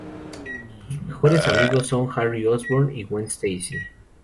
Sus mejores amigos son Harry Osborn y Gwen Stacy.